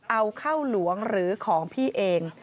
เอาข้าวหลวงหรือของพี่เอง